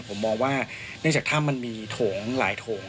ผมมองว่าเนื่องจากถ้ำมันมีโถงหลายโถง